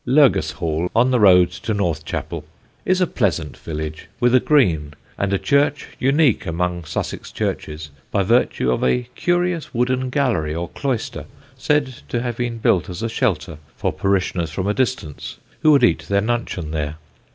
[Sidenote: A LURGASHALL SATIRIST] Lurgashall, on the road to Northchapel, is a pleasant village, with a green, and a church unique among Sussex churches by virtue of a curious wooden gallery or cloister, said to have been built as a shelter for parishioners from a distance, who would eat their nuncheon there.